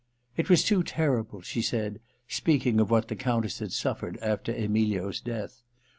*It was too terrible,' she said, speaking of what the Countess had suffered after Emilio's death.